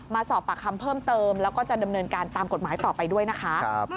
มาสอบปากคำเพิ่มเติมแล้วก็จะดำเนินการตามกฎหมายต่อไปด้วยนะคะ